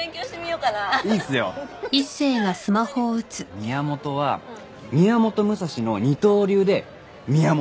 宮本は宮本武蔵の二刀流で「宮本」。